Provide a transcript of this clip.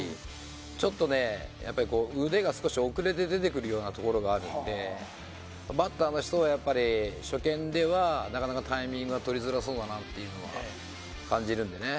ちょっと腕が少し遅れて出てくるようなところがあるんでバッターの人は、初見ではなかなかタイミングが取りにくそうだなと感じるんでね。